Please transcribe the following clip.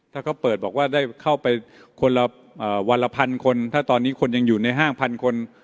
ถ้าเขาเปิดบอกว่าได้เข้าไปคนละวันละพันคนถ้าตอนนี้คนยังอยู่ในห้างพันคน